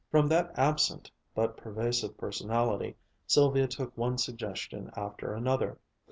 From that absent but pervasive personality Sylvia took one suggestion after another.